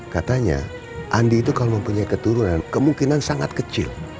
katanya andi itu kalau mempunyai keturunan kemungkinan sangat kecil